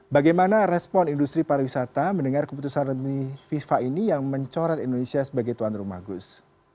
bagaimana respon industri pariwisata mendengar keputusan fifa ini yang mencoret indonesia sebagai tuan rumah gus